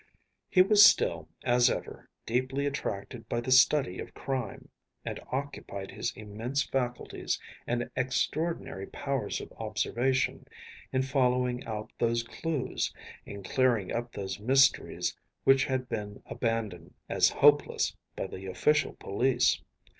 He was still, as ever, deeply attracted by the study of crime, and occupied his immense faculties and extraordinary powers of observation in following out those clues, and clearing up those mysteries which had been abandoned as hopeless by the official police.